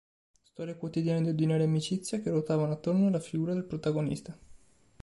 Storie quotidiane di ordinaria amicizia che ruotavano attorno alla figura del protagonista.